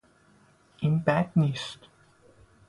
این بد نیست!